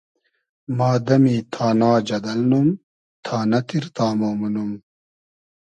ما دئمی تانا جئدئل نوم ، تانۂ تیر تامۉ مونوم